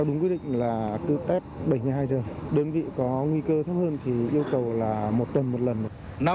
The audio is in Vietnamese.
đơn vị có nguy cơ thấp hơn thì yêu cầu là một tuần một lần